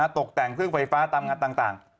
ตกแต่งเครื่องไฟฟ้าตามงานต่าง